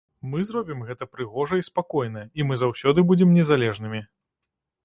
Мы зробім гэта прыгожа і спакойна, і мы заўсёды будзем незалежнымі.